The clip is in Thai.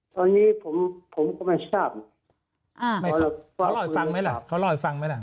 ตอนนี้ผมผมก็ไม่ทราบอ่าเขาล่อยฟังไหมล่ะเขาล่อยฟังไหมล่ะ